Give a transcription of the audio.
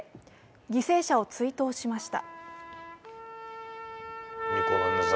犠牲者を追悼しました。